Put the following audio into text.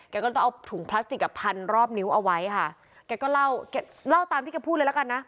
ก็ต้องเอาถุงพลาสติกอ่ะพันรอบนิ้วเอาไว้ค่ะแกก็เล่าแกเล่าตามที่แกพูดเลยละกันนะ